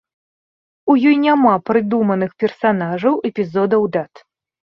У ёй няма прыдуманых персанажаў, эпізодаў, дат.